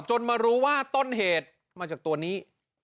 มารู้ว่าต้นเหตุมาจากตัวนี้